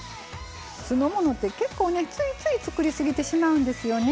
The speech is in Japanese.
酢の物って結構ねついつい作りすぎてしまうんですよね。